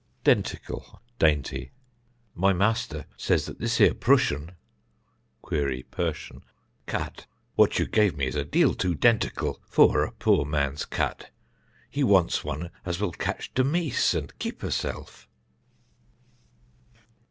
Dentical (Dainty): "My Master says that this here Prooshian (query Persian) cat what you gave me is a deal too dentical for a poor man's cat; he wants one as will catch the meece and keep herself."